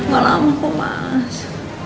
ga lama kok mas